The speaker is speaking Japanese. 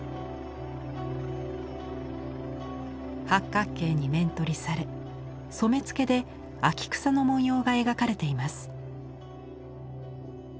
八角形に面取りされ染め付けで秋草の文様が描かれています。